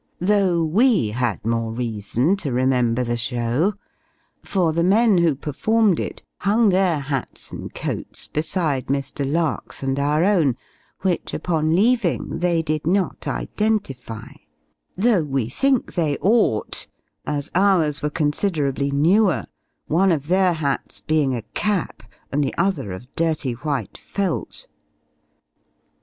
Though, we had more reason to remember the show; for, the men who performed it hung their hats and coats beside Mr. Lark's, and our own; which, upon leaving, they did not identify: though, we think they ought; as ours were considerably newer one of their hats being a cap, and the other of dirty white felt!